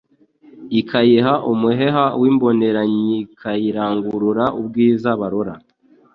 Ikayiha umuheha w' imboneranyeIkarangurura ubwiza barora